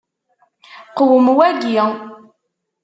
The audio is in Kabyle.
Qwem waki.